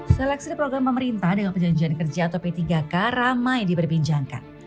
seleksi program pemerintah dengan perjanjian kerja atau p tiga k ramai diperbincangkan